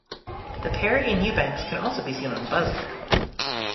The Perry and Eubanks can also be seen on Buzzr.